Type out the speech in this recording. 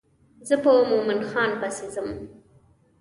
زه په مومن خان پسې ځم.